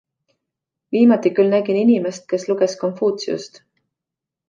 Viimati küll nägin inimest, kes luges Konfutsiust.